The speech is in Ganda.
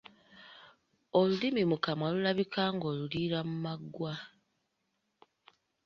Olulimi mu kamwa lulabika ng’oluliira mu maggwa.